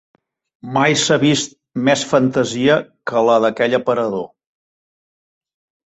Mai s'ha vist més fantasia que la d'aquell aparador.